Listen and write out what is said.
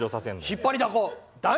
引っ張りだこで。